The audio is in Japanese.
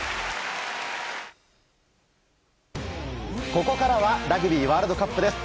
ここからはラグビーワールドカップです。